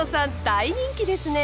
大人気ですね！